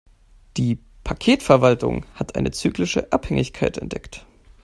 Die Paketverwaltung hat eine zyklische Abhängigkeit entdeckt.